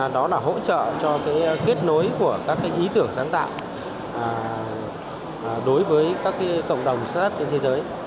đó là hỗ trợ cho kết nối của các ý tưởng sáng tạo đối với các cộng đồng start up trên thế giới